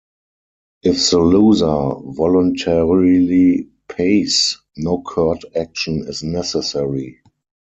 If the loser voluntarily pays, no court action is necessary.